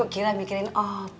bapak kira mikirin apa